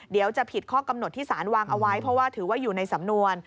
เดี๋ยวจะผิดข้อกำหนดที่สารวางเอาไว้เพราะว่าถือว่าอยู่ในสำนวน